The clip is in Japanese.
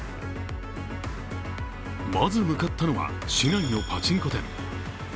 まず向かったのは、市内のパチンコ店。